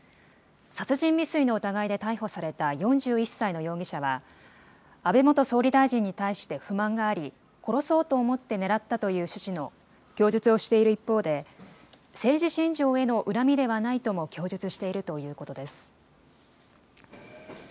殺人未遂の疑いで逮捕された４１歳の容疑者は、安倍元総理大臣に対して不満があり、殺そうと思って狙ったという趣旨の供述をしている一方で、政治信条への恨みではないとも供述しているということです。